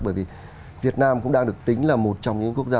bởi vì việt nam cũng đang được tính là một trong những quốc gia